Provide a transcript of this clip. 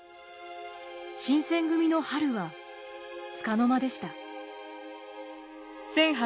新選組の春はつかの間でした。